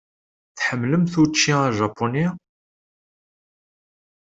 Tḥemmlemt učči ajapuni?